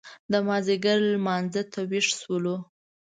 د مازیګر لمانځه ته وېښ شولو.